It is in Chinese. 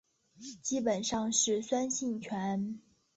基本上是酸性泉。